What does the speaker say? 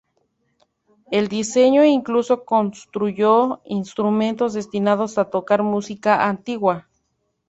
Él diseñó e incluso construyó instrumentos destinados a tocar música antigua.